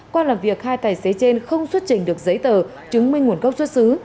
qua làm việc hai tài xế trên không xuất trình được giấy tờ chứng minh nguồn gốc xuất xứ